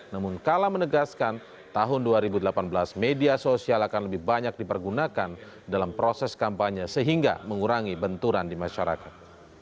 namun kala menegaskan tahun dua ribu delapan belas media sosial akan lebih banyak dipergunakan dalam proses kampanye sehingga mengurangi benturan di masyarakat